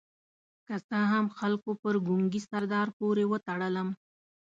که څه هم خلکو پر ګونګي سردار پورې وتړلم.